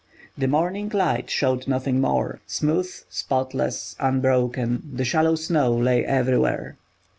The morning light showed nothing more. Smooth, spotless, unbroken, the shallow snow lay everywhere.